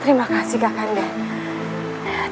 terima kasih kak kandas